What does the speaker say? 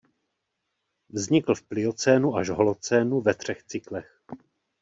Vznikl v pliocénu až holocénu ve třech cyklech.